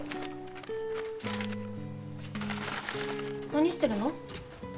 何してるの？